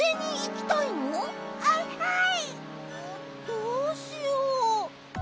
どうしよう。